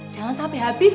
jangan sampai habis